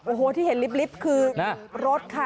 โอ้โหที่เห็นลิฟต์คือรถค่ะ